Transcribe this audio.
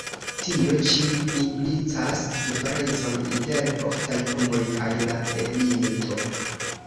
Tio ĉi implicas diferencon inter oftaj homoj kaj la elito.